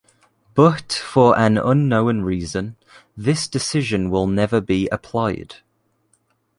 But for an unknown reason, this decision will never be applied.